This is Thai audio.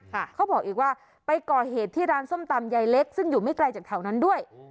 เขาบอกอีกว่าไปก่อเหตุที่ร้านส้มตำยายเล็กซึ่งอยู่ไม่ไกลจากแถวนั้นด้วย